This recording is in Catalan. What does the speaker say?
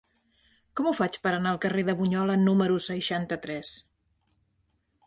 Com ho faig per anar al carrer de Bunyola número seixanta-tres?